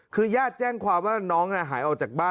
คือญาติแจ้งความว่าน้องหายออกจากบ้าน